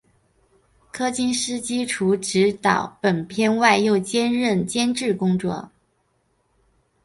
柯金斯基除执导本片外又兼任监制工作。